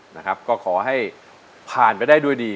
นะครับก็ขอให้ผ่านไปได้ด้วยดี